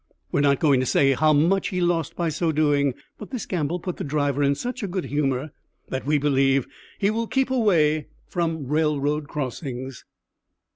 We are not going to say how much he lost by so doing. But this gamble put the driver in such a good humour that we believe he will keep away from railroad crossings.